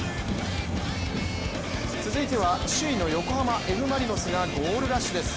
続いては首位の横浜Ｆ・マリノスがゴールラッシュです。